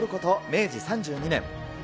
明治３２年。